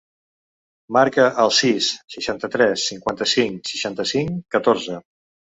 Marca el sis, setanta-tres, cinquanta-cinc, seixanta-cinc, catorze.